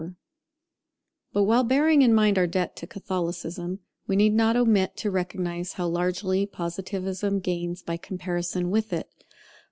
But while bearing in mind our debt to Catholicism, we need not omit to recognize how largely Positivism gains by comparison with it.